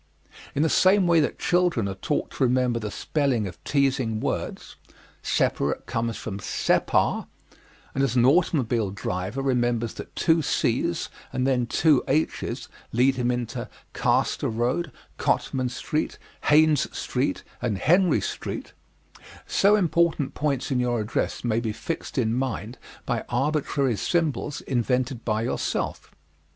In the same way that children are taught to remember the spelling of teasing words separate comes from separ and as an automobile driver remembers that two C's and then two H's lead him into Castor Road, Cottman Street, Haynes Street and Henry Street, so important points in your address may be fixed in mind by arbitrary symbols invented by yourself.